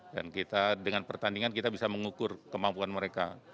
dan kita dengan pertandingan kita bisa mengukur kemampuan mereka